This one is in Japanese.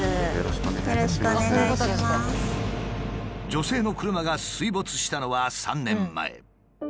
女性の車が水没したのは３年前。